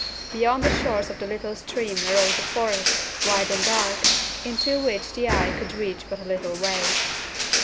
Beyond the shores of the little stream arose a forest, wide and dark, into which the eye could reach but a little way.